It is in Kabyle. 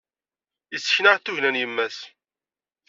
Yessken-aɣ-d tugna n yemma-s.